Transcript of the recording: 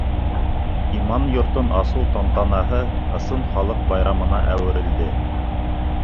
Иман йортон асыу тантанаһы ысын халыҡ байрамына әүерелде.